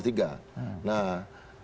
nah saya berharap